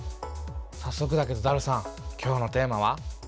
さっそくだけどダルさん今日のテーマは？